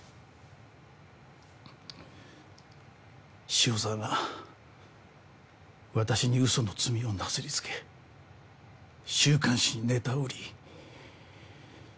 塩沢が私に嘘の罪をなすりつけ週刊誌にネタを売り。